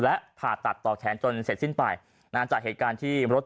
และผ่าตัดต่อแขนจนเสร็จสิ้นไปนะจากเหตุการณ์ที่รถ